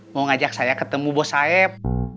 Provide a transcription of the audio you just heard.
mau ngajak saya ketemu bos saib